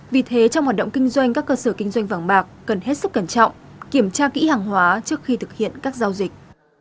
vì thế trong hoạt động kinh doanh các cơ sở kinh doanh vàng bạc cần hết sức cẩn trọng kiểm tra kỹ hàng hóa trước khi thực hiện các giao dịch